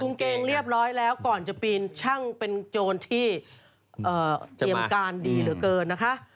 งเกงเรียบร้อยแล้วก่อนจะปีนช่างเป็นโจรที่เตรียมการดีเหลือเกินนะคะ